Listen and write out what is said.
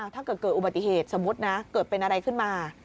ถ้าเกิดเกิดอุบัติเหตุสมมุตินะเกิดเป็นอะไรขึ้นมา